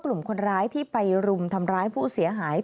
กลุ่มคนร้ายที่ไปรุมทำร้ายผู้เสียหาย